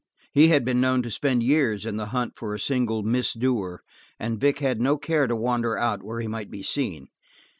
He had been known to spend years in the hunt for a single misdoer and Vic had no care to wander out where he might be seen.